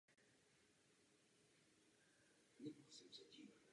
Na konci stanice se pak nachází velká skleněná mozaika s člověkem a letadlem.